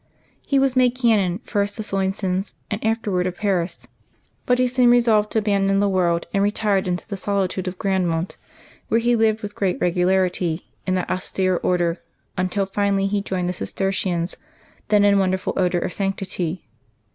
He was made canon, first of Soissons and afterwards of Paris ; but he soon resolved to abandon the world, and retired into the solitude of Grandmont, where he lived with great regular ity in that austere Order until finally he joined the Cistercians, then in wonderful odor of sanctity.